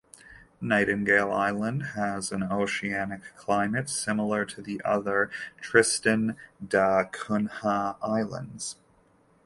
Nightingale Island has an oceanic climate similar to the other Tristan da Cunha islands.